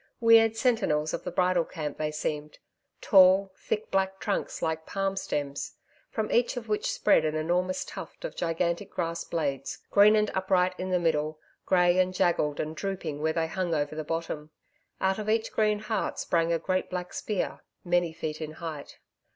Weird sentinels of the bridal camp they seemed tall, thick black trunks like palm stems, from each of which spread an enormous tuft of gigantic grass blades green and upright in the middle, grey and jaggled and drooping where they hung over at the bottom. Out of each green heart sprang a great black spear many feet in height.